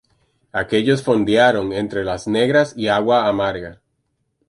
Aquellos fondearon entre Las Negras y Agua Amarga.